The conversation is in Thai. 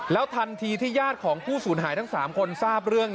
ทันทีที่ญาติของผู้สูญหายทั้ง๓คนทราบเรื่อง